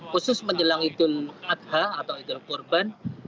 khusus menjelang idul adha atau idul kurban